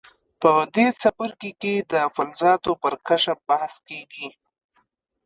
په دې څپرکي کې د فلزاتو پر کشف بحث کیږي.